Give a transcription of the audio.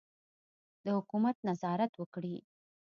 د حکومت نظارت وکړي.